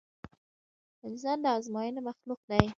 انسان د ازموينې مخلوق دی.